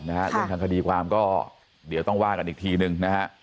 เรื่องทางคดีความก็เดี๋ยวต้องว่ากันอีกทีหนึ่งนะฮะ